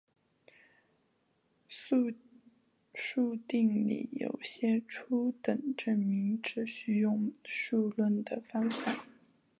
素数定理有些初等证明只需用数论的方法。